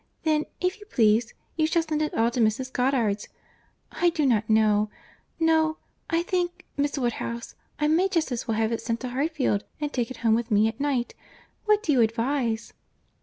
Then, if you please, you shall send it all to Mrs. Goddard's—I do not know—No, I think, Miss Woodhouse, I may just as well have it sent to Hartfield, and take it home with me at night. What do you advise?"